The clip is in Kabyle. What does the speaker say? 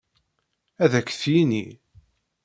Ad ak-t-yini.